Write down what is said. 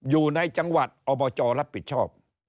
อยู่ในจังหวัดอบจรับผิดชอบ